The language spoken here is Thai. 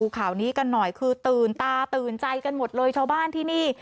ข่าวนี้กันหน่อยคือตื่นตาตื่นใจกันหมดเลยชาวบ้านที่นี่